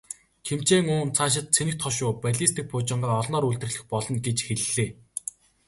Ким Чен Ун цаашид цэнэгт хошуу, баллистик пуужингаа олноор үйлдвэрлэх болно гэж хэллээ.